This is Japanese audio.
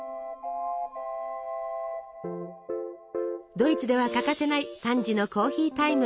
ドイツでは欠かせない３時のコーヒータイム。